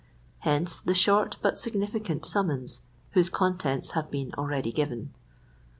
Hence the short but significant summons whose contents have been already given.